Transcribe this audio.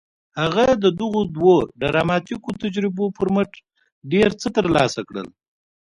هغه د دغو دوو ډراماتيکو تجربو پر مټ ډېر څه ترلاسه کړل.